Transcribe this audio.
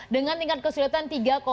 dengan tingkat kesulitan tiga tiga puluh satu